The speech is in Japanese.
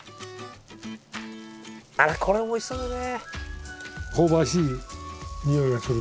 これもおいしそうだね。